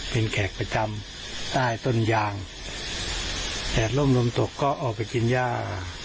เป็นแขกประจำใต้ต้นยางแขกร่มลมตกก็ออกไปกินย่า